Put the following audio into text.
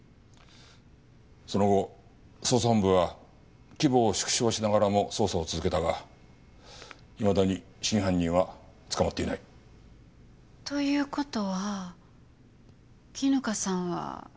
その後捜査本部は規模を縮小しながらも捜査を続けたがいまだに真犯人は捕まっていない。という事は絹香さんは。